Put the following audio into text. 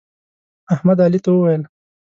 احمد علي ته وویل: